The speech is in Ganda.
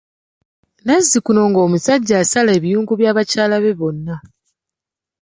Nazzikuno ng'omusajja asala ebiyungu bya bakyala be bonna.